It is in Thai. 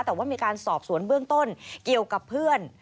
แต่ว่ามีการสอบสวนเบื้องต้นเกี่ยวกับเพื่อน